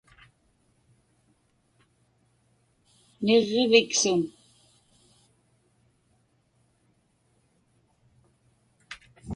niġġiviksun